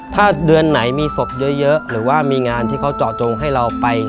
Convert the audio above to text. ถ้าเดือนไหนมีศพเยอะหรือว่ามีงานที่เขาเจาะจงให้เราไป